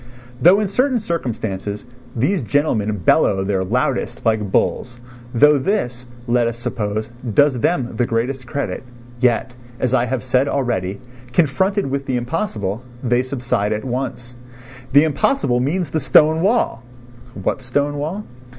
Though in certain circumstances these gentlemen bellow their loudest like bulls, though this, let us suppose, does them the greatest credit, yet, as I have said already, confronted with the impossible they subside at once. The impossible means the stone wall! What stone wall?